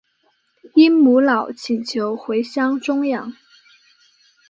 因母老请求回乡终养。